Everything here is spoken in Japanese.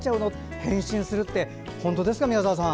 変身するって本当ですか宮澤さん。